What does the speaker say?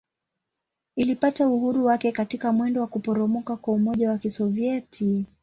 Ilipata uhuru wake katika mwendo wa kuporomoka kwa Umoja wa Kisovyeti.